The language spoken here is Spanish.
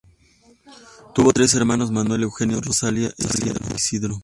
Tuvo tres hermanos, Manuel Eugenio, Rosalía e Ysidro.